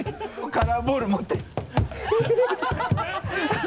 カラーボール持って